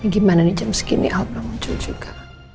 gimana nih jam segini alde belum muncul juga